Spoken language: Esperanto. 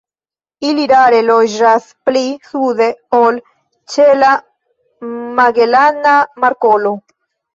Ili rare loĝas pli sude ol ĉe la Magelana Markolo.